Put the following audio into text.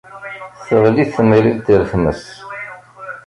Teɣli temrilt ar tmes.